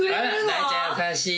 大ちゃん優しい。